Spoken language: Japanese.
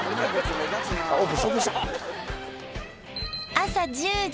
朝１０時